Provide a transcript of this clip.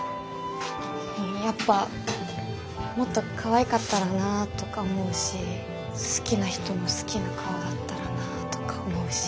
やっぱもっとかわいかったらなとか思うし好きな人の好きな顔だったらなとか思うし。